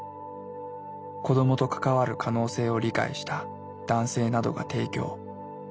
子どもと関わる可能性を理解した男性などが提供。